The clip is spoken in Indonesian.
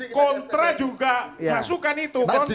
kontra juga masukan itu